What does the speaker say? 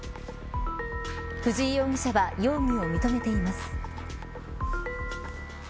藤井容疑者は容疑を認めています。